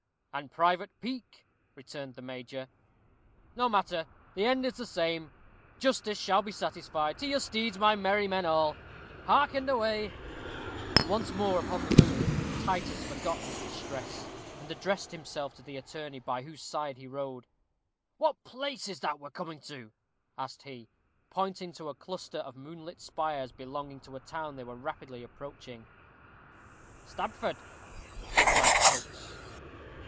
"And private pique," returned the major. "No matter! The end is the same. Justice shall be satisfied. To your steeds, my merry men all. Hark, and away." Once more upon the move, Titus forgot his distress, and addressed himself to the attorney, by whose side he rode. "What place is that we're coming to?" asked he, pointing to a cluster of moonlit spires belonging to a town they were rapidly approaching. "Stamford," replied Coates.